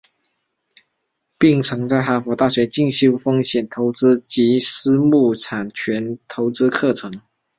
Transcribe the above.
并曾在哈佛大学进修风险投资及私募产权投资课程。